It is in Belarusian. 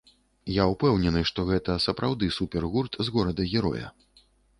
Я ўпэўнены, што гэта сапраўды супергурт з горада-героя.